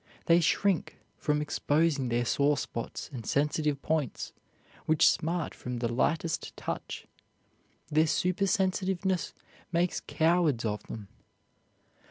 They shrink from exposing their sore spots and sensitive points, which smart from the lightest touch. Their super sensitiveness makes cowards of them.